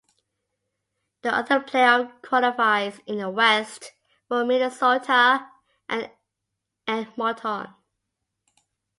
The other playoff qualifiers in the West were Minnesota and Edmonton.